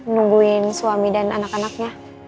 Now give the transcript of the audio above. nungguin suami dan anak anaknya